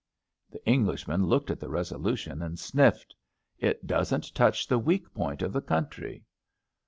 '' The Englishman looked at the resolution and sniffed. It doesn't touch the weak point of the country."